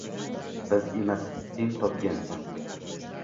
– Biz emas, sen topgansan.